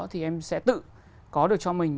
thì em sẽ tự có được cho mình